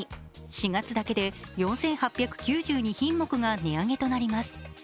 ４月だけで４８９２品目が値上げとなります。